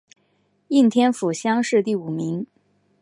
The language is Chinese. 应天府乡试第五名。